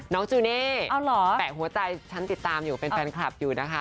จูเน่แปะหัวใจฉันติดตามอยู่เป็นแฟนคลับอยู่นะคะ